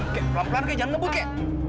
oke pelan pelan oke jangan ngebuk oke